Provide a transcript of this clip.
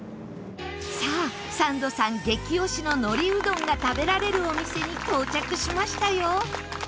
さあ、サンドさん激推しののりうどんが食べられるお店に到着しましたよ